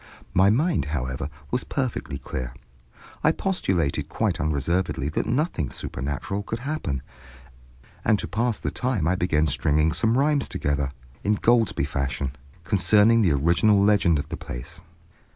My mind, however, was perfectly clear. I postulated quite unreservedly that nothing supernatural could happen, and to pass the time I began stringing some rhymes together, Ingoldsby fashion, concerning the original legend of the place.